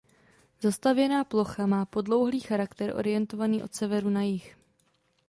Zastavěná plocha má podlouhlý charakter orientovaný od severu na jih.